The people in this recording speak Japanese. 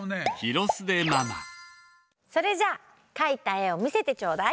それじゃあ描いた絵をみせてちょうだい。